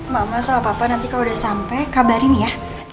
mama sama papa nanti kalau udah sampai kabarin ya